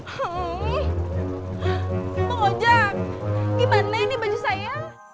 pengojak gimana ini baju saya